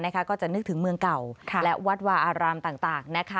ก็จะนึกถึงเมืองเก่าและวัดวาอารามต่าง